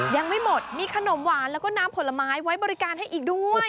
ยังไม่หมดมีขนมหวานแล้วก็น้ำผลไม้ไว้บริการให้อีกด้วย